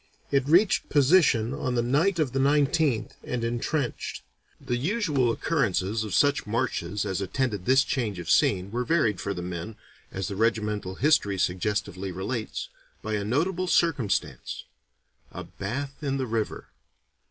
It reached position on the night of the 19th and entrenched. The usual occurrences of such marches as attended this change of scene were varied for the men, as the regimental history suggestively relates, by a notable circumstance a bath in the river.